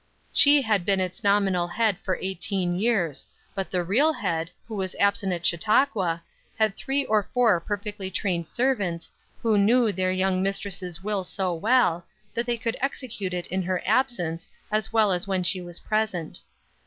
She had been its nominal head for eighteen years, but the real head who was absent at Chautauqua, had three or four perfectly trained servants, who knew their young mistress' will so well, that they could execute it in her absence as well as when she was present.